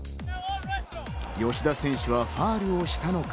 吉田選手はファウルをしたのか。